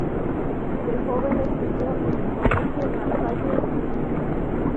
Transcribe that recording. De joven estudió en el Colegio La Salle en Lima.